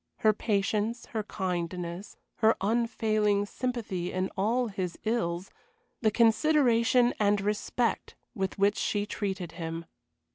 Her patience, her kindness, her unfailing sympathy in all his ills, the consideration and respect with which she treated him.